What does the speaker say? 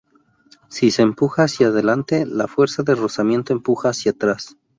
Si se empuja hacia delante la fuerza de rozamiento empuja hacia atrás.